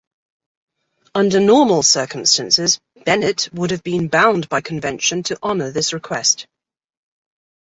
Under normal circumstances, Bennett would have been bound by convention to honour this request.